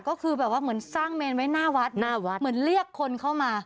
ก็คือแบบว่าเหมือนสร้างเมนไว้หน้าวัดหน้าวัดเหมือนเรียกคนเข้ามา